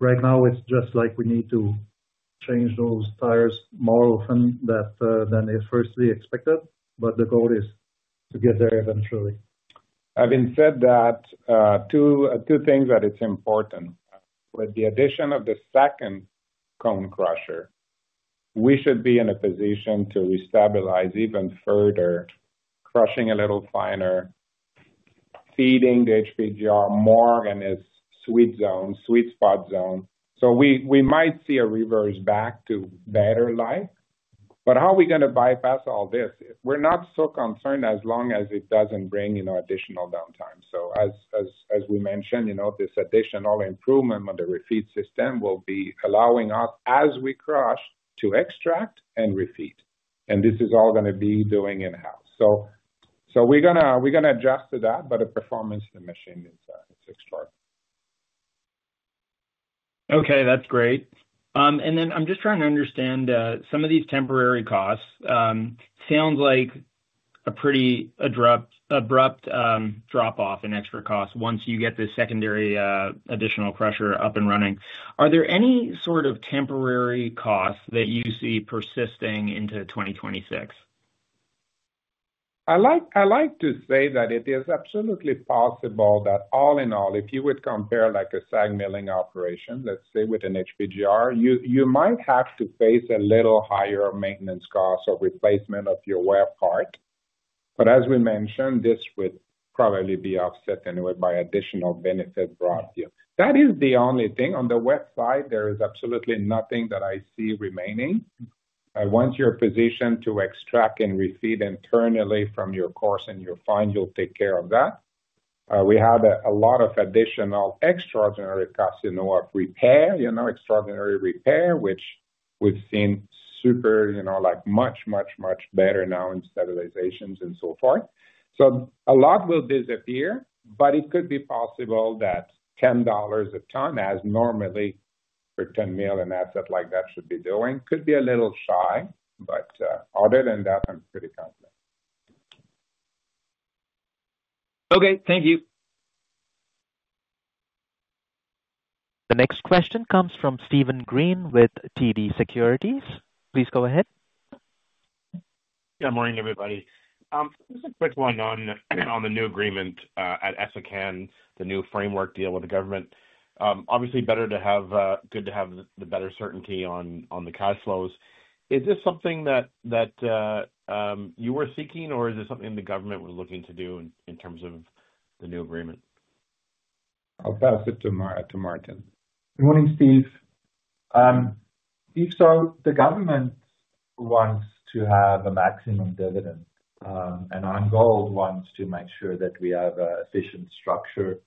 Right now, it's just like we need to change those tires more often than was first expected. The goal is to get there eventually. Having said that, two things that are important. With the addition of the second cone crusher, we should be in a position to restabilize even further, crushing a little finer, feeding the HPGR more in its sweet spot zone. We might see a reverse back to better life. We are not so concerned as long as it doesn't bring, you know, additional downtime. As we mentioned, this additional improvement on the refeed system will be allowing us, as we crush, to extract and refeed. This is all going to be done in-house. We are going to adjust to that, but the performance of the machine is extraordinary. Okay, that's great. I'm just trying to understand some of these temporary costs. It sounds like a pretty abrupt drop-off in extra costs once you get the secondary additional crusher up and running. Are there any sort of temporary costs that you see persisting into 2026? I like to say that it is absolutely possible that all in all, if you would compare like a SAG milling operation, let's say with an HPGR, you might have to face a little higher maintenance cost or replacement of your wear part. As we mentioned, this would probably be offset anyway by additional benefit brought to you. That is the only thing. On the wet side, there is absolutely nothing that I see remaining. Once you're positioned to extract and refeed internally from your coarse and your fine, you'll take care of that. We have a lot of additional extraordinary costs of repair, extraordinary repair, which we've seen super, like much, much, much better now in stabilizations and so forth. A lot will disappear, but it could be possible that $10 a ton, as normally for $10 million assets like that should be doing, could be a little shy. Other than that, I'm pretty confident. Okay, thank you. The next question comes from Steven Green with TD Securities. Please go ahead. Yeah, morning everybody. Just a quick one on the new agreement at Essakane, the new framework deal with the government. Obviously, better to have, good to have the better certainty on the cash flows. Is this something that you were seeking, or is this something the government was looking to do in terms of the new agreement? I'll pass it to Maarten Morning, Steve. If so, the government wants to have a maximum dividend, and IAMGOLD wants to make sure that we have an efficient structure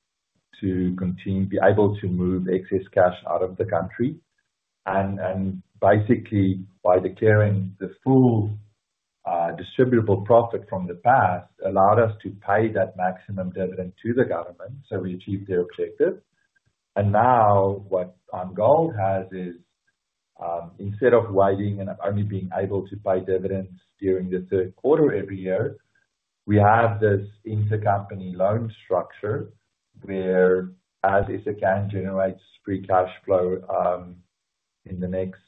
to continue to be able to move excess cash out of the country. Basically, by declaring the full distributable profit from the past, it allowed us to pay that maximum dividend to the government, so we achieved their objective. Now what IAMGOLD has is, instead of writing and only being able to pay dividends during the third quarter every year, we have this intercompany loan structure where, as Essakane generates free cash flow in the next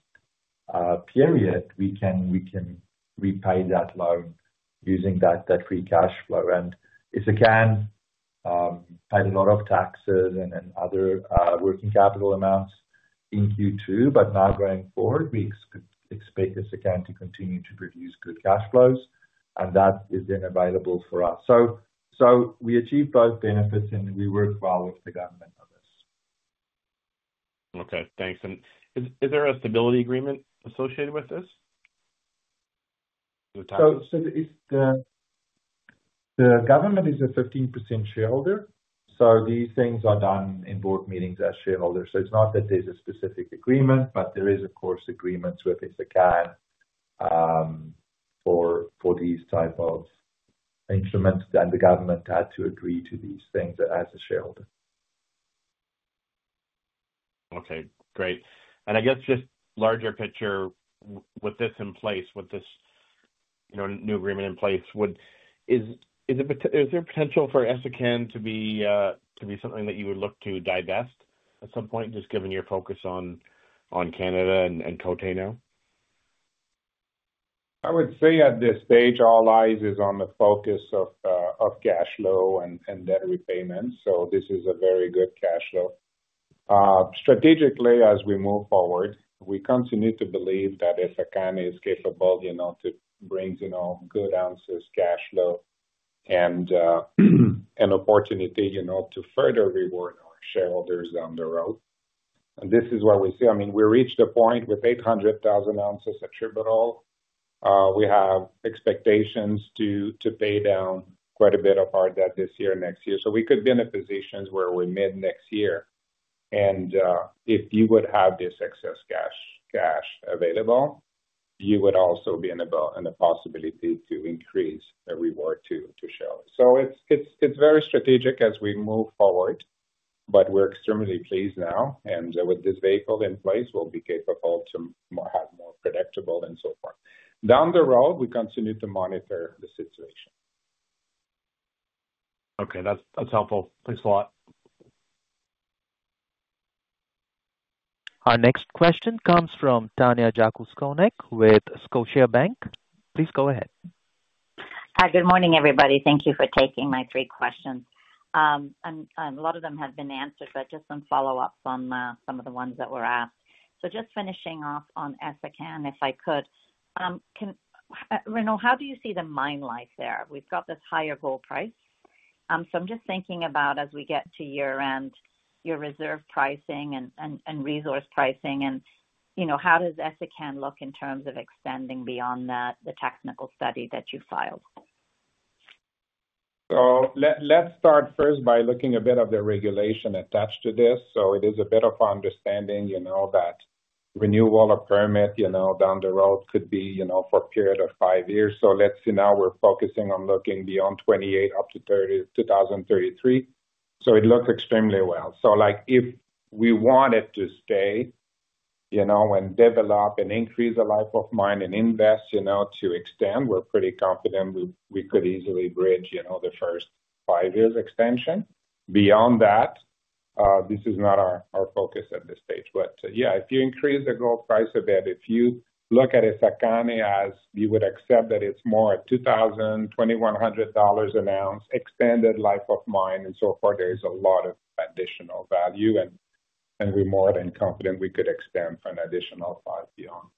period, we can repay that loan using that free cash flow. Essakane paid a lot of taxes and other working capital amounts in Q2, but now going forward, we expect Essakane to continue to produce good cash flows, and that is then available for us. We achieve both benefits, and we work well with the government on this. Okay, thanks. Is there a stability agreement associated with this? The government is a 15% shareholder, so these things are done in board meetings as shareholders. It's not that there's a specific agreement, but there is, of course, agreements with Essakane for these types of instruments, and the government had to agree to these things as a shareholder. Okay, great. I guess just larger picture, with this in place, with this new agreement in place, is there a potential for Essakane to be something that you would look to divest at some point, just given your focus on Canada and Côté now? I would say at this stage, all eyes are on the focus of cash flow and debt repayment. This is a very good cash flow. Strategically, as we move forward, we continue to believe that Essakane is capable, you know, to bring, you know, good ounces, cash flow, and an opportunity, you know, to further reward our shareholders down the road. This is what we see. I mean, we reached a point with 800,000 ounces attributable. We have expectations to pay down quite a bit of our debt this year and next year. We could be in a position where we're mid-next year. If you would have this excess cash available, you would also be in a possibility to increase a reward to shareholders. It is very strategic as we move forward, but we're extremely pleased now. With this vehicle in place, we'll be capable to have more predictable and so forth. Down the road, we continue to monitor the situation. Okay, that's helpful. Thanks a lot. Our next question comes from Tanya Jakusconek with Scotiabank. Please go ahead. Hi, good morning everybody. Thank you for taking my three questions. A lot of them have been answered, just some follow-ups on some of the ones that were asked. Just finishing off on Essakane, if I could. Renaud, how do you see the mine life there? We've got this higher gold price. I'm just thinking about as we get to year-end, your reserve pricing and resource pricing, and you know, how does Essakane look in terms of extending beyond that, the technical study that you filed? Let's start first by looking at a bit of the regulation attached to this. It is a bit of understanding, you know, that renewal of permit, you know, down the road could be, you know, for a period of five years. Let's see now we're focusing on looking beyond 2028 up to 2033. It looks extremely well. Like if we wanted to stay, you know, and develop and increase the life of mine and invest, you know, to extend, we're pretty confident we could easily bridge, you know, the first five years extension. Beyond that, this is not our focus at this stage. If you increase the gold price a bit, if you look at Essakane as you would accept that it's more at $2,000, $2,100 an ounce, extended life of mine and so forth, there is a lot of additional value, and we're more than confident we could extend for an additional five beyond.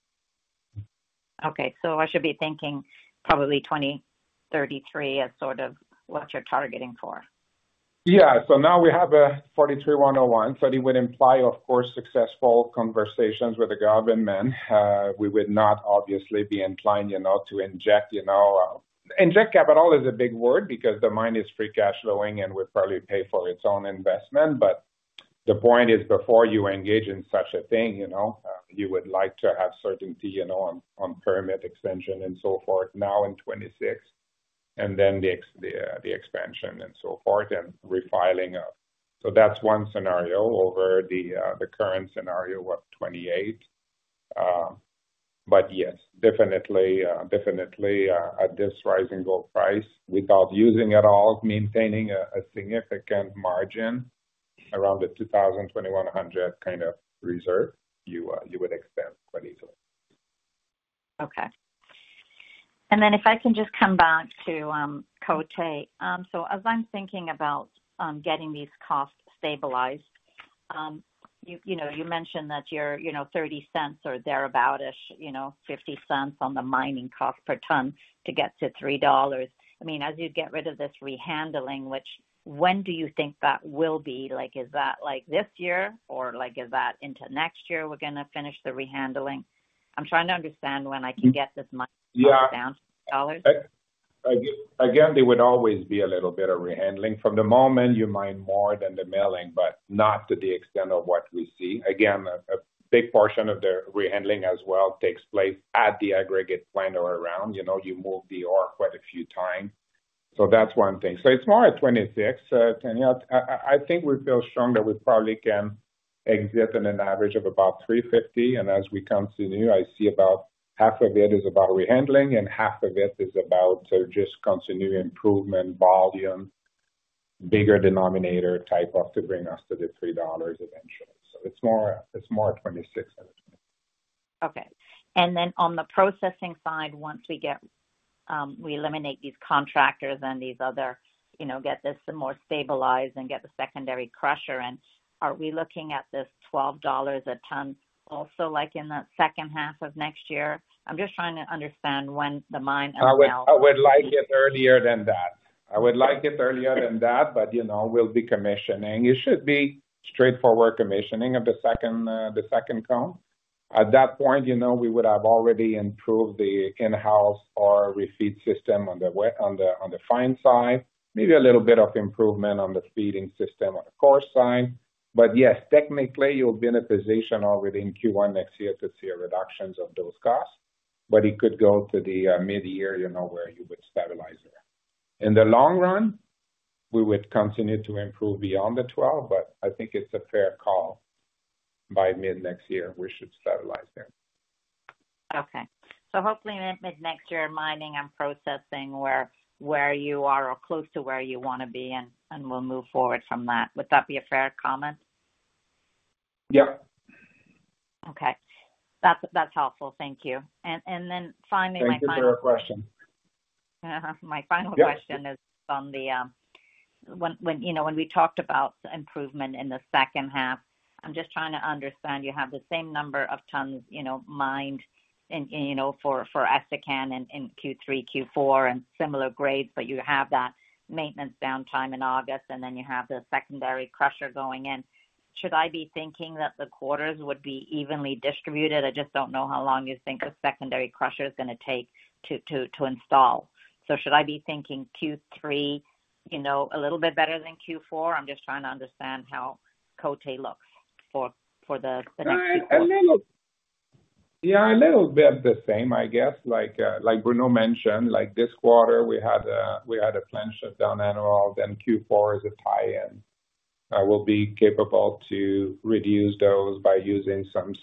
Okay, so I should be thinking probably 2033 as sort of what you're targeting for. Yeah, so now we have a 43-101, so it would imply, of course, successful conversations with the government. We would not obviously be inclined to inject—inject capital is a big word because the mine is free cash flowing and would probably pay for its own investment. The point is before you engage in such a thing, you would like to have certainty on permit extension and so forth now in 2026, and then the expansion and so forth and refiling up. That's one scenario over the current scenario of 2028. Yes, definitely, definitely at this rising gold price, without using at all, maintaining a significant margin around the $2,000, $2,100 kind of reserve, you would extend quite easily. Okay. If I can just come back to Côté. As I'm thinking about getting these costs stabilized, you mentioned that you're $0.30 or thereabout, you know, $0.50 on the mining cost per ton to get to $3. As you get rid of this rehandling, when do you think that will be? Is that this year or is that into next year we're going to finish the rehandling? I'm trying to understand when I can get this money down to $3. Yeah. There would always be a little bit of rehandling from the moment you mine more than the milling, but not to the extent of what we see. A big portion of the rehandling as well takes place at the aggregate plan or around, you know, you move the ore quite a few times. That's one thing. It's more at 2026, Tanya. I think we feel strong that we probably can exit on an average of about $350, and as we continue, I see about half of it is about rehandling and half of it is about just continuing improvement, volume, bigger denominator type of to bring us to the $300 eventually. It's more 2026 than 2023. Okay. On the processing side, once we get, we eliminate these contractors and these other, you know, get this more stabilized and get the secondary crusher, are we looking at this $12 a ton also like in the second half of next year? I'm just trying to understand when the mine ends up. I would like it earlier than that. I would like it earlier than that, but you know, we'll be commissioning. It should be straightforward commissioning of the second cone. At that point, you know, we would have already improved the in-house ore refeed system on the fine side, maybe a little bit of improvement on the feeding system on the coarse side. Yes, technically, you'll be in a position already in Q1 next year to see reductions of those costs, but it could go to the mid-year, you know, where you would stabilize there. In the long run, we would continue to improve beyond the $12, but I think it's a fair call by mid-next year, we should stabilize there. Okay. Hopefully mid-next year, mining and processing where you are or close to where you want to be, and we'll move forward from that. Would that be a fair comment? Yeah. Okay. That's helpful. Thank you. Finally, my final. Thank you for your question. My final question is on the, when we talked about improvement in the second half, I'm just trying to understand, you have the same number of tons mined, and for Essakane in Q3, Q4, and similar grades, but you have that maintenance downtime in August, and then you have the secondary crusher going in. Should I be thinking that the quarters would be evenly distributed? I just don't know how long you think a secondary crusher is going to take to install. Should I be thinking Q3, you know, a little bit better than Q4? I'm just trying to understand how Côté looks for the next quarter. Yeah, a little bit of the same, I guess. Like Bruno Lemelin mentioned, this quarter we had a planned shutdown, annual, then Q4 is a tie-in. We'll be capable to reduce those by using some.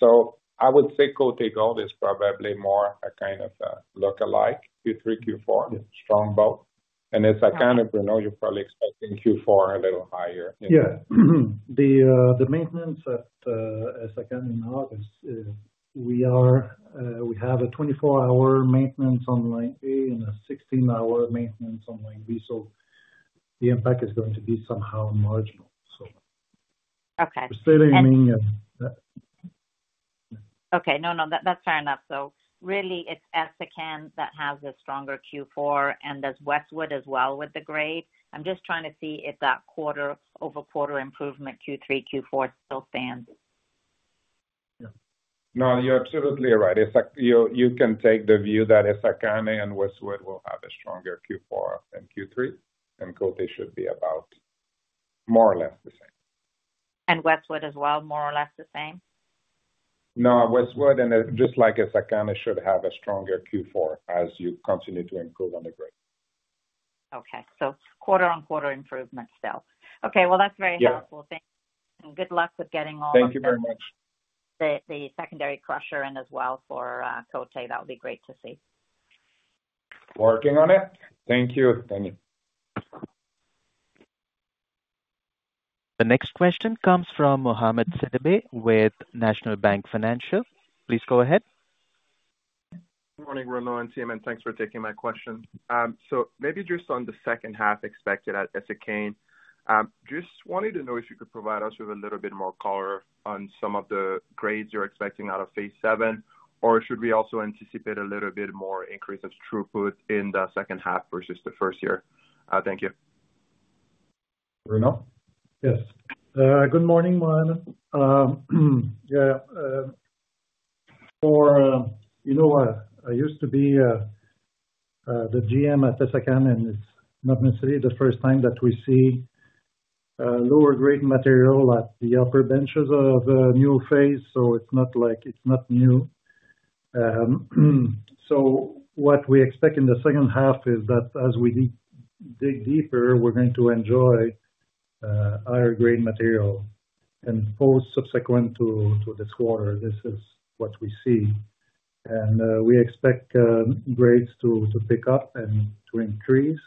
I would say Côté Gold is probably more a kind of look-alike, Q3, Q4, strong boat. And Essakane, you know, you're probably expecting Q4 a little higher. Yeah, the maintenance at Essakane in August, we have a 24-hour maintenance on line A and a 16-hour maintenance on line B, so the impact is going to be somehow marginal. Okay. We're still aiming at. Okay, that's fair enough. It's really Essakane that has a stronger Q4, and does Westwood as well with the grade. I'm just trying to see if that quarter over quarter improvement Q3, Q4 still stands. Yeah, no, you're absolutely right. You can take the view that Essakane and Westwood will have a stronger Q4 than Q3, and Côté should be about more or less the same. Is Westwood as well, more or less the same? No, Westwood, and just like Essakane, should have a stronger Q4 as you continue to improve on the grade. Okay. Quarter-on-quarter improvement still. That's very helpful. Yeah. Thank you, and good luck with getting all the. Thank you very much. The secondary crusher in as well for Côté Gold. That would be great to see. Working on it. Thank you, Tanya. The next question comes from Mohamed Sidibe with National Bank Financial. Please go ahead. Morning, Renaud and team, and thanks for taking my question. Maybe just on the second half expected at Essakane, just wanted to know if you could provide us with a little bit more color on some of the grades you're expecting out of phase VII, or should we also anticipate a little bit more increase of throughput in the second half versus the first year? Thank you. Bruno? Yes. Good morning, Mohamed. You know what? I used to be the GM at Essakane, and it's not necessarily the first time that we see lower grade material at the upper benches of a new phase, so it's not like it's not new. What we expect in the second half is that as we dig deeper, we're going to enjoy higher grade material. For subsequent to this quarter, this is what we see. We expect grades to pick up and to increase,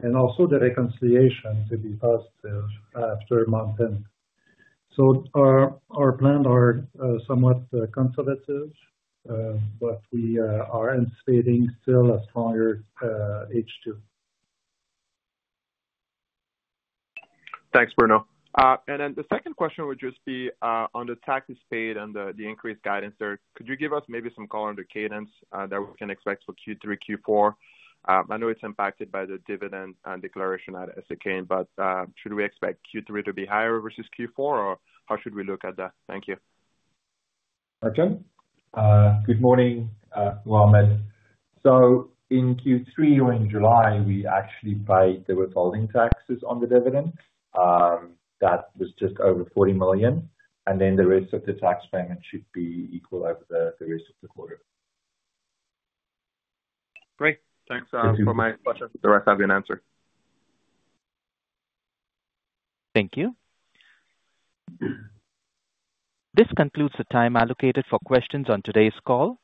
and also the reconciliation to be positive after month end. Our plans are somewhat conservative, but we are anticipating still a stronger H2. Thanks, Bruno. The second question would just be on the tax paid and the increased guidance there. Could you give us maybe some color on the cadence that we can expect for Q3, Q4? I know it's impacted by the dividend declaration at Essakane, but should we expect Q3 to be higher versus Q4, or how should we look at that? Thank you. Good morning, Mohamed. In Q3, in July, we actually paid the withholding taxes on the dividend. That was just over $40 million. The rest of the tax payment should be equal over the rest of the quarter. Great. Thanks for that. Thank you, Thank you. This concludes the time allocated for questions on today's call.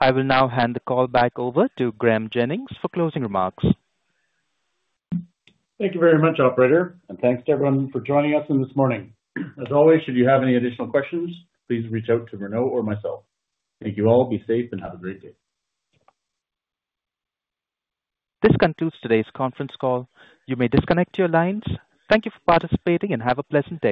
I will now hand the call back over to Graeme Jennings for closing remarks. Thank you very much, Operator. Thank you to everyone for joining us this morning. As always, should you have any additional questions, please reach out to Renaud or myself. Thank you all. Be safe and have a great day. This concludes today's conference call. You may disconnect your lines. Thank you for participating and have a pleasant day.